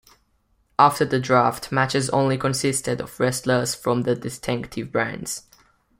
After the draft, matches only consisted of wrestlers from their distinctive brands.